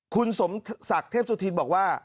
คุณสมศักดิ์เทพสุธินบอกว่า